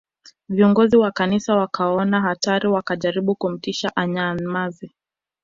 Viongozi wa Kanisa wakaona hatari wakajaribu kumtisha anyamaze